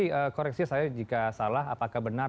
saya koreksi jika salah apakah benar